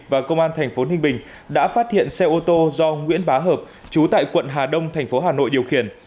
và công an thành phố ninh bình đã phát hiện xe ô tô do nguyễn bá hợp chú tại quận hà đông thành phố hà nội điều khiển